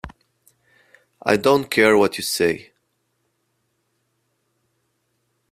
I don't care what you say.